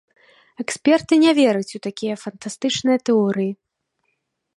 Эксперты не вераць у такія фантастычныя тэорыі.